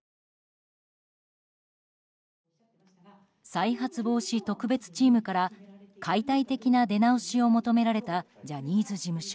再発防止特別チームから解体的な出直しを求められたジャニーズ事務所。